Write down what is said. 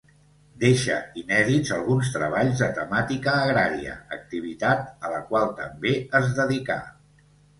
Deixà inèdits alguns treballs de temàtica agrària, activitat a la qual també es dedicà.